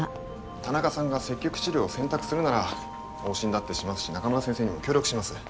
田中さんが積極治療を選択するなら往診だってしますし中村先生にも協力します。